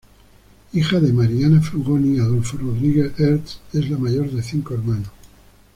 Hija de Mariana Frugoni y Adolfo Rodriguez Hertz; es la mayor de cinco hermanos.